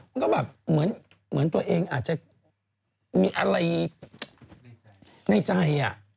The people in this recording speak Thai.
มันก็แบบเหมือนตัวเองอาจจะมีอะไรในใจ